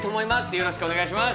よろしくお願いします。